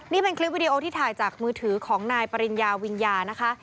นี่เป็นคลิปวิดีโอที่ถ่ายจากมือถือของนายปริญญาวิญญานะคะ